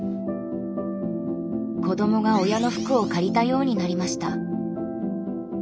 子どもが親の服を借りたようになりました。